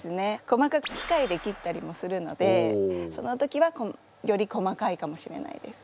細かく機械で切ったりもするのでその時はより細かいかもしれないです。